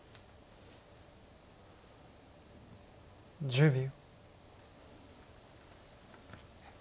１０秒。